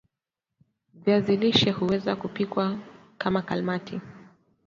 Viazi lishe huweza kupikwa kama kalmati